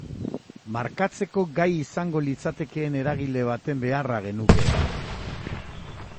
Markatzeko gai izango litzatekeen eragile baten beharra genuke.